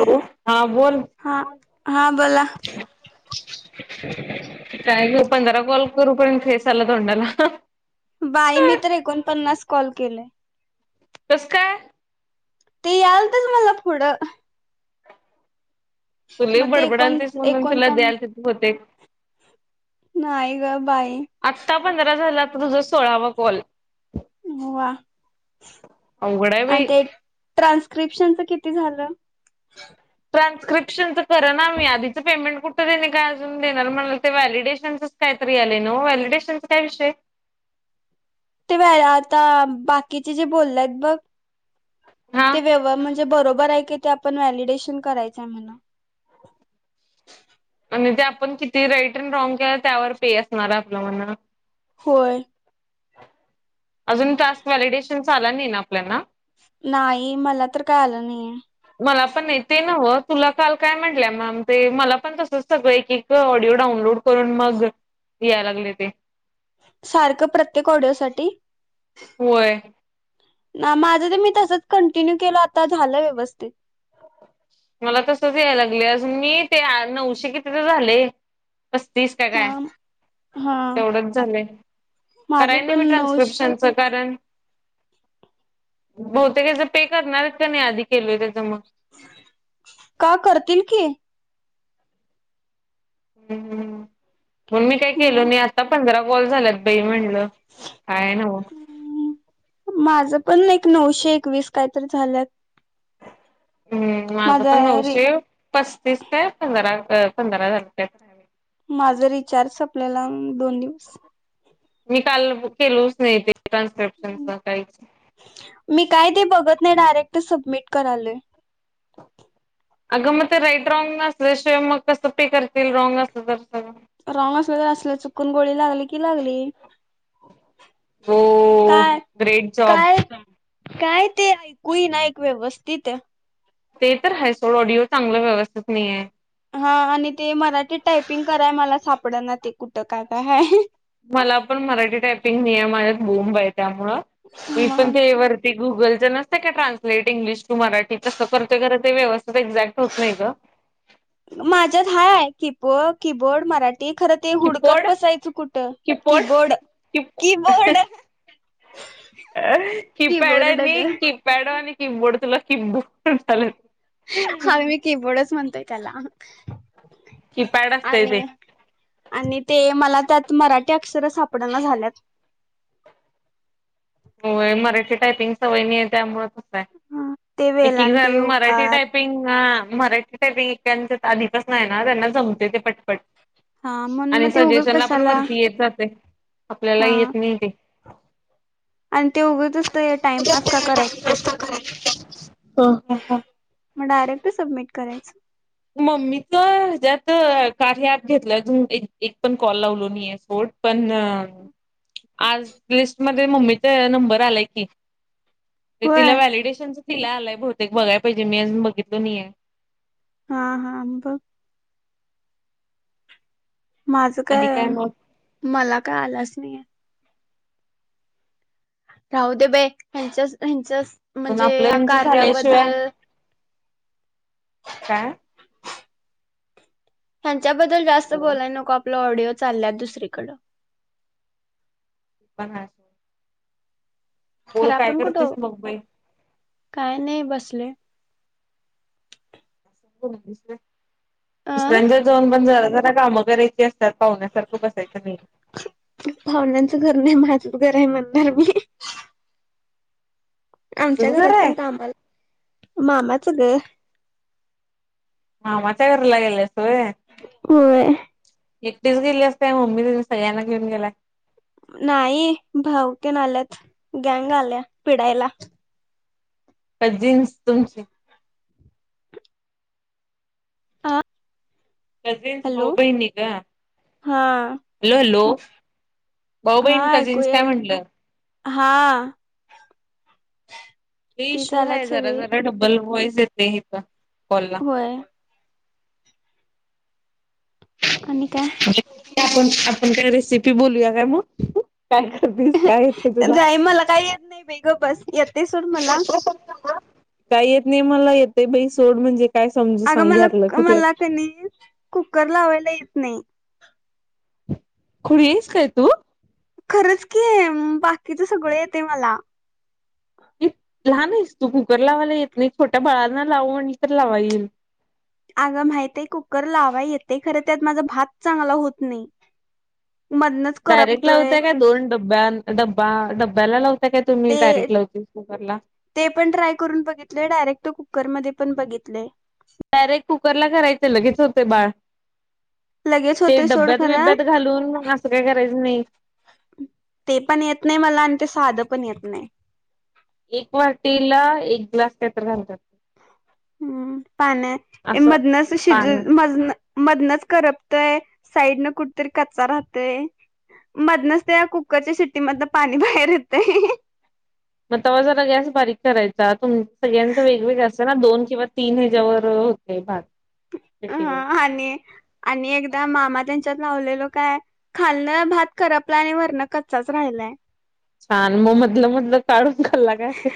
Hello हा बोल. हा हा बोला. ह [inaudible] काय ग पंधरा कॉल करू पर्यंत फेस आला तोंडाला. बाई मी तर एकोणपन्नास कॉल केले. कस काय? ते यालतच मला पुढं तु लय मग ते एकोण बडबडालतेस म्हणून तुला एकोणपण द्यायला तिथ होते. नाही ग बाई. आत्ता पंधरा झाला आता तुझा सोळावा कॉल व्वा अवघड आहे आणि बाई ते ट्रान्स्क्रिप्शनच किती झालं? ट्रान्स्क्रिप्शनचं कर ना आम्ही आधीचं पेमेंट कुठे त्यांनी काय अजून देणार म्हणाल ते वॅलिडेशनच काहीतरी आले नो व्हलिडेशनचा काय विषय ते व्ल आता बाकीचे जे बोलले आहेत बघ हा ते व्यव म्हणजे जे बरोबर आहे काय ते आपण व्हॅलिडेशन करायचंय म्हणा [inaudible] आणि ते आपण किती राईट अड रॉंग केलं त्यावर पे असणार आपलं म्हण होय. अजून टास्क व्हॅलिडेशन चा आला नाही ना आपल्याना नाही मला तर काय आलं नाहीये. मला पण ते नवं तुला काल काय म्हटलं मॅम ते मला पण तसच सगळं एक एक तो ऑडिओ डाउऊनलोड करून मग यायला लागले ते सारखं प्रत्येक ऑडिओसाठी? होय. ना माझं तर मी तसच कंटिन्यू केल आता झालं व्यवस्थित. मला तसच यायला लागले अजून मी ते नऊशे किती तर झाले. पस्तीस का हा काय? हा तेवढंच झालंय माझं कराया नाही पण मी नऊश ट्रान्स्क्रिप्शनचं कारण बहुतेक याच पे करणार आहेत की नाही आधी केलय त्याच मग? का करतील की. हमम मग मी काय केलो मग नाही आता पंधरा कॉल झालेत. [unintelligible] अमम माझ पण एक नऊशे एकवीस काहीतरी झाल्यात हमम माझं माझा पण रे नऊशे पस्तीस ते पंधरा पंधरा झालत्यात. माझं रिचार्ज संपलेला अमम दोन दिवस मी काल केलोच नाही तेे ट्रान्स्क्रिप्शनच काहीच मी काय ते बघत नाही डायरेक्ट सबमिट करायलोय. अगं मग ते राईट रॉंग असल्या शिवाय मग कसं पे करतील रॉंग असल तर सगळं रॉंग असलं तर असलं चुकून गोळी लागली की लागली. हो काय ग्रेट जॉब काय? काय ते ऐकू येईना ऐक व्यवस्थित ते तर हाय सोड ऑडिओ चांगलं व्यवस्थित नाहीेये. हा आणि ते मराठीत टायपिंग कराया मला सापड ना ते कुठं काय काय हाय. मला पण मराठी टायपिंग नियमात बोंब आहे त्यामुळ मी पण मग ते वर ते गुगलच नसतय काय ट्रान्सलेट इंग्लिश टू मराठी तसं करते खरं ते व्यवस्थित एक्झॅक्ट होत नाही गं. माझ्यात हाय की पो की-बोर्ड मराठी खर ते हुडकत किपड बसायचं कुठं किपड की-बोर्ड, कि की-बोर्ड. अ कीपॅड कीबोर्ड आणि ग की पॅड वाणी कि-बोर्ड तुला की-बोर्ड वाटालय ते आम्ही की-बोर्डच म्हणतोय त्याला कीपॅड असतय ते आणि आणि ते मला त्यात मराठी अक्षर सापडना झाल्यात. होय मराठी टायपिंग सवय नाही आहे त्यामुळ अस हाय ते एकेकजण वेलांटी मराठी उकार टाय पिंग हा मराठी टायपिंग एकेकाच्यात अधिपासन नाही ना त्यांना जमते ते पटपट. हा म्हणून मग आणि ते उगच सजेशनला पण कशाला वरती येत जातय आपल्याला हा येत नाही ते. आणि ते उगचच ते टाइमपास का करायचं तेच्या हा हा हा, म डायरेक्ट सबमिट करायचं. मम्मीच हेच्यात कार्य अँप घेतलं आजून एक एक पण कॉल लावलो नाही आहे सोड पण आज लिस्टमध्ये मम्मीच नंबर आलाय की. ते होय तिला व्हलिडेशनचं तिला आलाय बहुतेक बघाय पाहिजे मी आजून बघितलो नाही आहे. हा हा ब माझं आणि काय मग मला काय आलाच नाहीे आहे. राहूदे बाई हेच्याच हेच्याच म्हणून आपलं हेच झाल्याशिवाय काय? हेच्याबद्दल जास्त हॅलो बोलाय नको आपल ऑडिओ चालल्यात दुसरीकडं. ते पण हाय. खरं काय आपण करतेस कुठं मग बाई काय नाही बसले [unintelligible] अ दुसऱ्याच्यात जाऊन पण जरा जरा कामं करायची असतात पाहुण्यासारखं बसायचं नाही. पाहूण्यांचं घर नाही माझंच घर आहे म्हणणार मी. आमच्या तुझं घर घरात आहे पण कामाला मामाच गं. मामाच्या घरला गेल्यास होय. व्हय. एकटीच गेलीयास काय मम्मी तेनी सळ्यांना घेऊन गेलाय? नाही भाऊतेन आल्यात गँंग आल्या पिडायला. काझीनस तुमची आ कझिनस भाऊ बहिनी गं हा. हॅलो! हॅलो! भाऊ हा बहीण ऐकू कझिन्स काय यालय म्हटलं? हा. तीच इशू हाय आल्यात सगळी जराजरा डब्बल व्हॉईस येते हीथ कॉल व्हय. आणि काय? आपण आपण काय रेसिपी बोलूया काय म? जाई मला काय येत नाही बाई गप्प बस. सोड मला काय येत नाही मला येतय बाई सोड म्हणजे काय समजू सांग ह्यातलं कुठल? त्यांनी कुकर लावायला येत नाही. खुड यीस काय तू? खरंच की हे बाकीच सगळं येतय मला. लहान आहेस तू कुकर लावायला येत नाही, छोट्या बळांना लाव म्हणलं तर लावाईल. अगं माहित आहे कुकर लावा येते खरं, त्यात माझा भात चांगला होत नाही. मधन. डायरेक्ट लावता का दोन डब्या-डबा-डब्याला लावताय का तुम्ही ते डायरेट लावते. कुकरला. ते पण ट्राय करून बघितलय, डायरेक्ट कुकरमध्ये पण बघितलय. डायरेक्ट कुकर ला करायच लगेच होते बाळ. लगेच ते होते सोड डब्यात खरा बिब्यात घालून मग असं काय करायचं नाही. ते पण येत नाही मला, आणि ते साधं पण येत नाही. एक वाटीला, एक ग्लास काही तर घालतात. हूं पाण्यात ये मदन असं शिज पाण्यात. मदन. मदनच करपतय साईड न कुठतरी कच्चा राहतय. मधनच त्या कुकरच्या शिट्टी मधन पाणी बाहेर येतय. मग तेव्हा जरा गॅस बारीक करायचा तुम सगळ्यांच वेगवेगळ असत ना दोन किंवा तीन ह्याच्यायावर होतय भात. [inaudible] हं आणि, आणि एकदा मामा त्यांच्यात लावलेलो काय. खालणं भात करपलाय, वरण कच्चाच राहिलाय. छान म मधलं, मधलं काढून खांल्ला काय.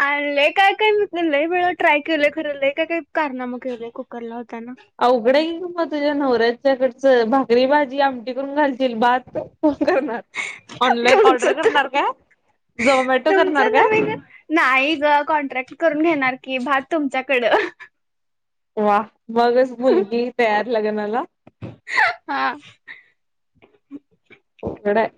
आण लय कायकाय मी पण लयी वेळा ट्राय केलंय खर लय काय काय कारनामा केलंय कुकर लावताना अवघडं ये म तुझ्या नवऱ्याच्याकडचं भाकरी, भाजी, आमटी करून घालतील भात? कोण करणार ऑनलाईन तुमचं ऑर्डर तर करणार का, झोमॅटो करणार तुमचं का? तुम्ही नाही ग कॉन्ट्रॅक्ट करून घेणार की भात तुमच्याकडं वा मगच मुलगी तयार लगनाला. हा! अवगड आहे.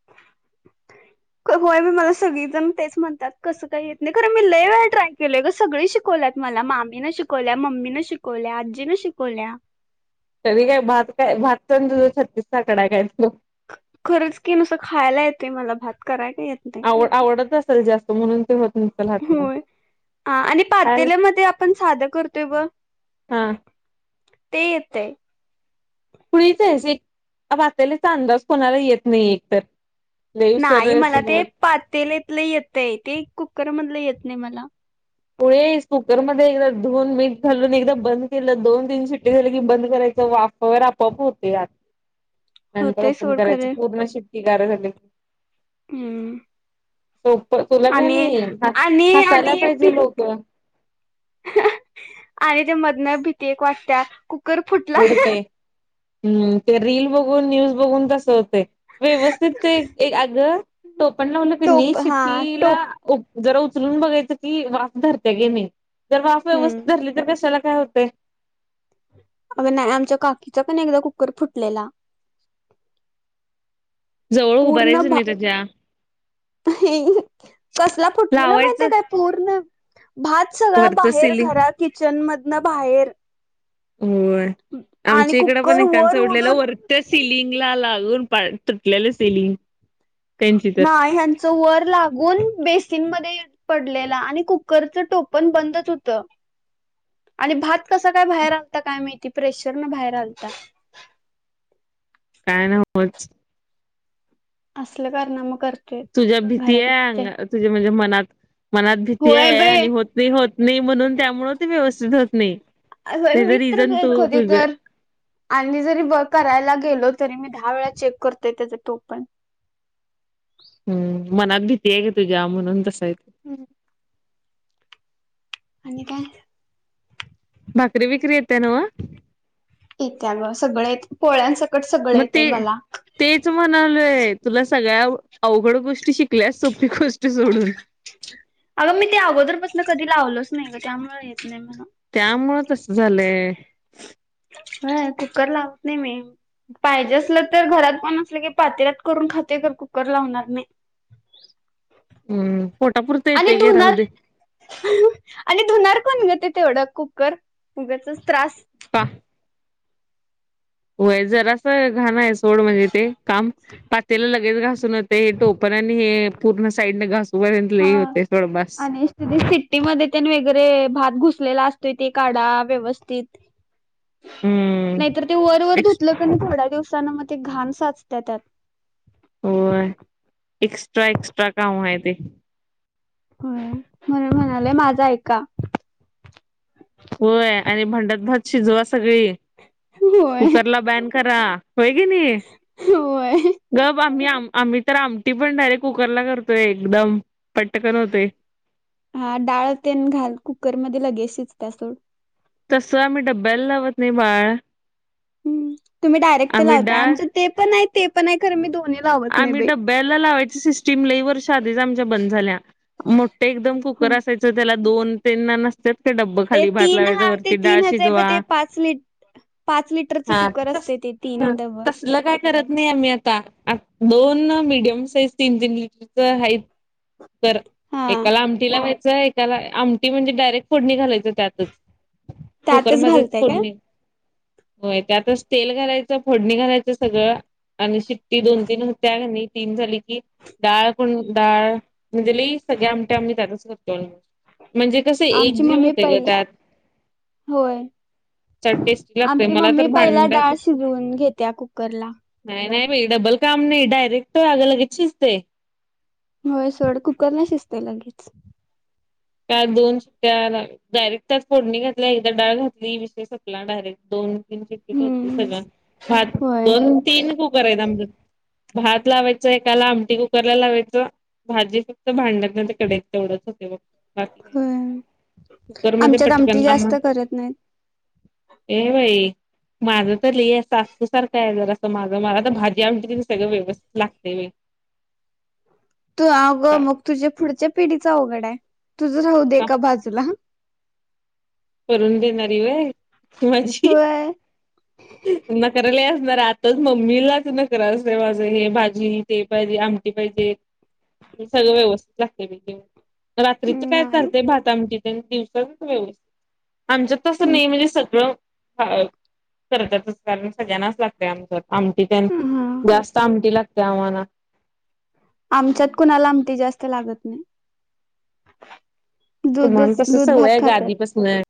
[inaudible] होय म मला सगळेजण तेच म्हणतात कसं काय येत नाही, कारण मी लयी वेळा ट्राय केल ग सग शिक कोंल्यात मला मामी न शिकोंल्या, मम्मी न शिकोंल्या, आजी न शिकोंल्या. तरी काय भात काय भात च न तुझ छत्तीस चा आकडाय आहे काय तो. ख खरंच की नसं खायला येतेय मला भात, करायला नही येत. नाही आवड आवडत असेल जास्त म्हणून ते होत नसल हाताला. हा आणि पातेल्यामध्ये आपण साधं करतोय ब हा ते येतय. खुळीच आहेच एक, आ पातेलीचा अंदाज कोणाला येत नाही एकतर. [unintelligible] पातेलतलं येतय ते कुकर मधलं येत नाही मला. ओयेस कुकरमध्ये एकदा धुवून मीठ घालून एकदा बंद केलं, दोन तीन सुिट्टी झाली की बंद करायचं वाफ हो ना आपोआप होतय आत, नंतर होतंय ओपन सोड करायच खरं पूर्ण शिफ्टी गार झाली. हूं! सोप्प तुला कनी हास, आणि हासायला आणि भी पाहिजे लोक आणि त्या मधन भीती एक वाटत्या कुक बुडतंय हूं ते रील बघून न्यूज बघून तसं होतय. व्यवस्थित एक अग, तो [unintelligible] पण लावलं क नि टोप हा टोप शेतीला- जरा उचलून बघायचं की, वाफ धरते कनी. जर वाफ व्यवस्थित हम्म धरली तर, कशाला काय होतय. अग नाही, आमच्या काकीचा कनी एकदा कुकर फुटलेला. जवळ पूर्ण उभारायचं भा नाही त्याच्या. [unintelligible] कसला फुटलेला लावायचं माहितेय काय- पूर्ण भात सगळं वरचं बाहेर, सिलिंग घरात किचन मधनं बाहेर. होय, आणि आमच्या इकड कुकर पण वर [unintelligible] उडलेलं उडून वर- त्या सिलिंग ला लागून [unintelligible] तुटलेलं सिलिंग. त्यांची तर नाही आणि - अस वर लागून बेसीन मध्ये पडलेला आणि कुकरचं टोपण बंदच होत. [inaudible] आणि भात कसा काय बाहेर आलता काय माहिती, प्रेशर न बाहेर आलता. काय न्हवच. असल्या कारणाम कर- तुझ्या भीती आहे, अ तुझ्या म्हणजे मनात, मनात भीती होय आहे बे आणि हो- त नाही, म्हणून त्यामुळं ते व्यवस्थित होत नाही. असं त्याच रिझन मित्रक तू होते तुझ तर [unintelligible] आणि जरी ब करायला गेलो तरी, मी दहा वेळा चेक करतोय त्येच टोपण. हम्म, मनात भीती आहे ग, तुझ्या म्हणून तसं आहे ते. हं. आणि काय? भाकरी बिकरी येते नव्ह? येत्या ग, सगळं येत पोळ्यांसकट सगळं मग येते ते मला. तेच म्हणालोय, तुला सगळ्या अवघड गोष्टी शिकल्यास, सोपी गोष्ट सोडून. अगं मी ते अगोदरपासून कधी लावलच नाही ग, त्यामुळे येत नाही मला. त्यामुळं तस झालंय. हा, कुकर लावत नाही मी. पाहिजे असलं तर, घरात कोण नसलं की, पातेलात करून खातोय, खर कुकर लावणार नाही. हम्म, पोटापुरत आणि येते घे धुणार राहूदे. [unintelligible] आणि धुनार कोण ग, ते तेवढं कुकर उगचच त्रास. [inaudible] होय, जरासं घाण आहे सोड म्हणजे ते, काम पातेला लगेच घासून- ते टोपण आणि हे पूर्ण साईडने घासू पर्यंत लय होतय थोड बास. शिट्टीमध्ये त्येन वैगरे भात घुसलेला असतोय, ते काढा व्यवस्थित. [inaudible] हम्म नाहीतर, ते वर, वर एक्स धुतलं पण थोड्या दिवसान मग ते घाण साचत्या त्यात. होय, एक्स्ट्रा, एक्स्ट्रा काम आहे ते. हो, म्हणून म्हणालोय माझ ऐका. होय आणि भांडत भात शिजवा सगळी, होय कुकरला बॅन करा. होय कनि. होय होय बा, आम्ही आम आम्ही तर आमटी पण डायरेक्ट कुकरला करतोय, एकदम पट्टकन होतय. हा, डाळ तेन घाल कुकरमध्ये लगेच शीजत्या सोड. तसं आम्ही डब्ब्याला लावत नाही बाळ. हं, तुम्ही डायरेक्ट ते आम्ही लावताय, डाळ आमचं ते पण आहे, ते पण आहे, खर मी दोनी- आम्ही डब्याला लावायची सिस्टीम लई वर्ष आधीच आमच्या बंद झाल्या. मोठ्या एकदम हो कुकर असायच त्याला दोन पेनन ते तीन हा, ते तीनाचय प शिजवा. ते पाच ली पाच लिटरचं कुकर असतय ते. तीन डब. तुला काय करत नाही आम्ही आता. दोन मीडियम साइज तीन तीन लिटरच हायेत. कर हा एकाला आम टी लावायचं. एका आमटी म्हणजे डायरेक्ट फोडणी घालायचं त्यातच. त्यातच कुकरमध्येच घालताय काय? फोडणी. होय त्यातच तेल घालायचं. फोडणी घालायचं सगळं. आणि शिट्टी दोन तीन होत्या का नाही. तीन झाली की, डाळ पण डाळ. म्हणजे लई सगळ्या आमठ्या आम्ही त्यातच करतो आणि. म्हणजे कस एक आमची जीव मम्मी होते ग पहिला त्यात. होय. चट टेस्टी लागतय आमची मला मम्मी तर पहिला डाळ भांड्यापेक्षा शिजवून घेत्या कुकरला. नाही नाही बाई. डबल काम नाही. डायरेक्ट आग लगेच शिजतय. होय सोड कुकर ना शिजतय लगेच. का दोन त्या [unintelligible] डायरेक्ट त्यात फोडणी घातल्या. एकदा डाळ घातली. विषय संपला. डायरेक्ट दोन श होते हम्म सगळं. भात होय दोन तीन कुकरेत आमच. भात लावायचं एकाला. आमटी कुकर ला लावायचं. भाजी फक्त भांड्यात नाही त कढइत, तेवढंच होते बघ. बाकी काय नाही. होय कुकर मध्ये आमच्यात पटकन आमटी लाम जास्त करत नाहीत. ये बाई. माझं तर लई अस अतू सारखंय बघा. जर असं माझं मला तर भाजी आमटी तेन सगळं व्यवस्थित लागतय बाई. तू अगं का मग तुझ्या पुढच्या पिढीच अवघडेय. तुझ राहू दे काम एका बाजूला. करून देणारी व्हय. ही माझी. होय नखरा लई असणारे. आताच मम्मीलाच नखरा असतेय माझं. हे भाजी ते पाहिजे. आमटी पाहिजे. सगळं व्यवस्थित लागते बाई. रात्रीच काय नाही चालतेय. भात आमटीचन. दिवसाच व्यवस्थित आमच्यात तसं नाही. म्हणजे सगळं अ करतातच. कारण सगळ्यांनाच लागतंय आमच्यात. आमटी त्यांन. हा जास्त आमटी लागते आम्हाला. आमच्यात कुणाला आमटी जास्त लागत नाही. तुम्हाला दूधच तस दूध भात सवये ग खातात. आधीपासन.